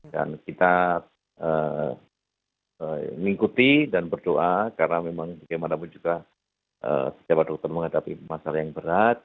dan kita mengikuti dan berdoa karena memang bagaimanapun juga setiap dokter menghadapi masalah yang berat